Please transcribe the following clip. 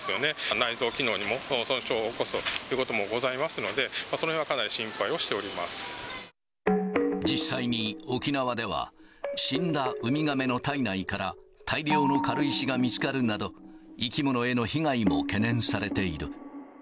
内臓機能にも損傷を起こすということもございますので、そのへん実際に沖縄では、死んだウミガメの体内から大量の軽石が見つかるなど、生き物への被害も懸念されている。